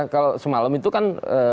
kalau semalam itu kan